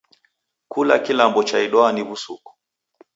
Kula kilambo chaidwaa ni w'usuku.